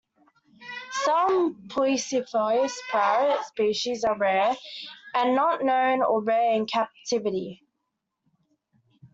Some "Poicephalus" parrot species are rare and not known or rare in captivity.